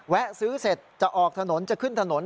ซื้อเสร็จจะออกถนนจะขึ้นถนน